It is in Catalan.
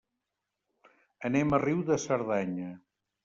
Anem a Riu de Cerdanya.